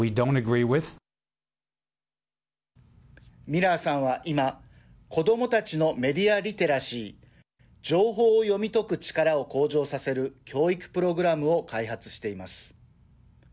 ミラーさんは今子どもたちのメディア・リテラシー情報を読み解く力を向上させる教育プログラムを開発しています。